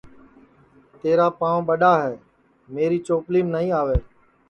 تیرا پانٚو ٻڈؔا ہے میرے چوپلیم نائی آوے